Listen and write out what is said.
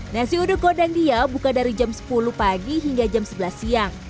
nasi uduk gondang dia buka dari jam sepuluh pagi hingga jam sebelas siang